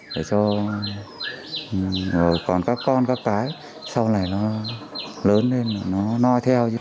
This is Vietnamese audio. để cho còn các con các cái sau này nó lớn lên nó noi theo chứ